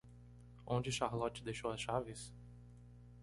Onde Charlotte deixou as chaves?